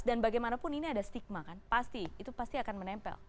dan bagaimanapun ini ada stigma kan pasti itu pasti akan menempel